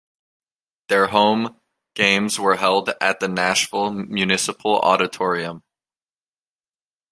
Their home games were held at the Nashville Municipal Auditorium.